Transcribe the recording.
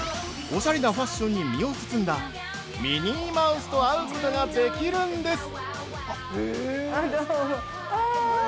おしゃれなファッションに身を包んだミニーマウスと会うことができるんです。